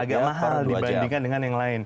agak mahal dibandingkan dengan yang lain